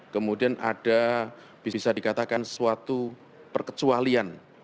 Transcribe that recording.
kemudian ada bisa dikatakan suatu perkecualian